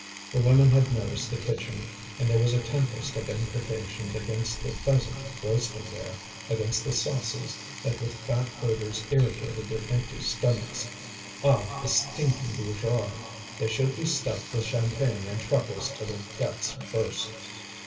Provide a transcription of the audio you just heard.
The women had noticed the kitchen, and there was a tempest of imprecations against the pheasant roasting there, against the sauces that with fat odours irritated their empty stomachs. Ah! the stinking bourgeois, they should be stuffed with champagne and truffles till their guts burst.